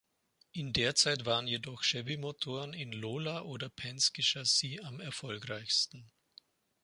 In der Zeit waren jedoch Chevy-Motoren in Lola- oder Penske-Chassis am erfolgreichsten.